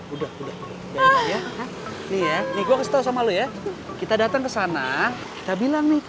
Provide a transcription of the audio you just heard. udah udah ya nih gue kasih tahu sama lu ya kita datang ke sana kita bilang nih ke